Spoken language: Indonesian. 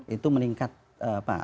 itu meningkat apa